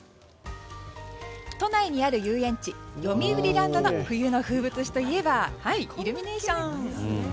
都内にある遊園地よみうりランドの冬の風物詩といえばイルミネーション。